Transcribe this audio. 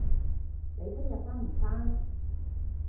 你聽日返唔返